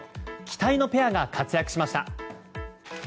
期待のペアが活躍しました。